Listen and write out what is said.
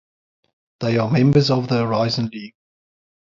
They are members of the Horizon League.